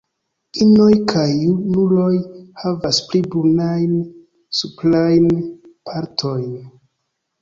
Inoj kaj junuloj havas pli brunajn suprajn partojn.